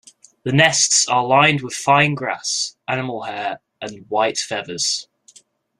The nests are lined with fine grass, animal hair and white feathers.